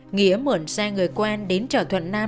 nghĩa mượn xe người quen đến trò thuận nam